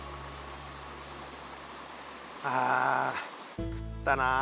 ああ食ったなあ。